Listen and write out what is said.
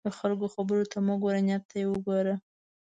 د خلکو خبرو ته مه ګوره، نیت ته یې وګوره.